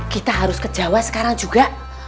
kita harus ke jawa sekarang juga